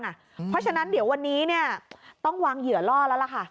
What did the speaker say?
เพราะฉะนั้นเดี๋ยววันนี้ต้องวางเหยื่อล่อแล้วล่ะค่ะ